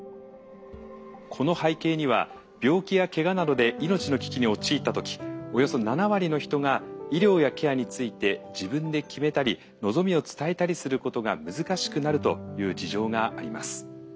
この背景には病気やケガなどで命の危機に陥ったときおよそ７割の人が医療やケアについて自分で決めたり望みを伝えたりすることが難しくなるという事情があります。